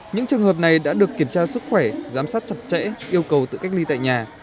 những trường hợp này đã được kiểm tra sức khỏe giám sát chặt chẽ yêu cầu tự cách ly tại nhà